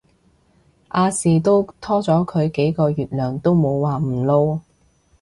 亞視都拖咗佢幾個月糧都冇話唔撈